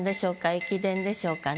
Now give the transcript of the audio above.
駅伝でしょうかね？